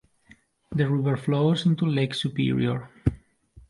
The river flows into Lake Superior.